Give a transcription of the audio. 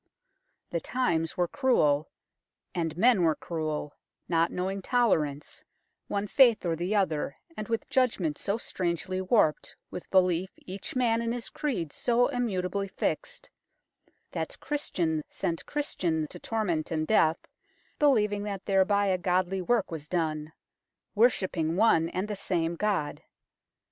The times were cruel, and men were cruel, not knowing tolerance, one faith or the other, and with judg ment so strangely warped, with belief each man in his creed so immutably fixed, that Christian sent Christian to torment and death believing that thereby a godly work was done, worshipping one and the same God.